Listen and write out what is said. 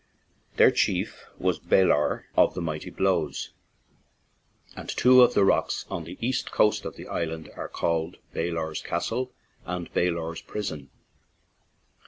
Their chief was " Balor of the Mighty Blows/ ' and two of the rocks on the east coast of the island are called "Balor's Castle" and "Balor's Prison."